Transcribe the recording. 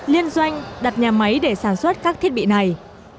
liên doanh đặt nhà máy để sản xuất các thiết bị này